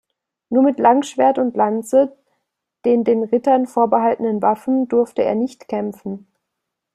Nur mit Langschwert und Lanze, den den Rittern vorbehaltenen Waffen, durfte er nicht kämpfen.